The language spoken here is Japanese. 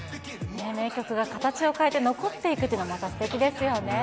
名曲が形を変えて残っていくっていうのは、なんかすてきですよね。